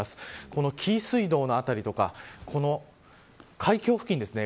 この、紀伊水道の辺りとか海峡付近ですね。